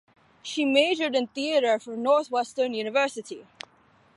She majored in theater from Northwestern University.